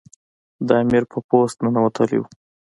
د امیر په پوست ننوتلی وو.